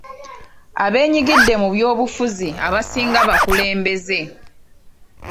Abeenyigidde mu by'obufuzi abasinga bakulembeze.